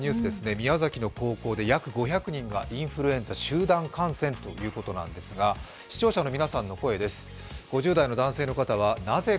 宮崎の高校で約５００人がインフルエンザ集団感染ということですが視聴者の皆さんの声です。